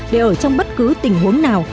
để ở trong bất cứ tình huống nào